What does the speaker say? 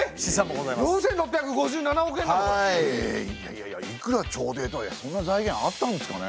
いやいやいくら朝廷とはいえそんな財源あったんですかね。